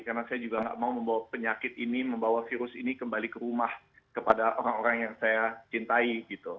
karena saya juga tidak mau membawa penyakit ini membawa virus ini kembali ke rumah kepada orang orang yang saya cintai